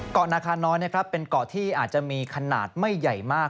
เกาะนาคาน้อยเป็นเกาะที่อาจจะมีขนาดไม่ใหญ่มาก